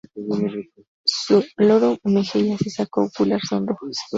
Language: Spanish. Su lorum y mejillas y saco gular son rojos.